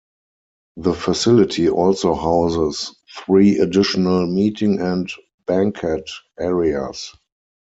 The facility also houses three additional meeting and banquet areas.